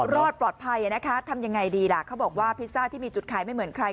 รอดปลอดภัยนะคะทำยังไงดีล่ะเขาบอกว่าพิซซ่าที่มีจุดขายไม่เหมือนใคร